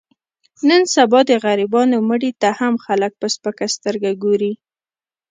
نن سبا د غریبانو مړي ته هم خلک په سپکه سترګه ګوري.